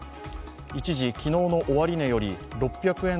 一時、昨日の終値より６００円